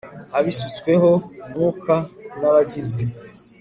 abasutsweho umwuka n abagize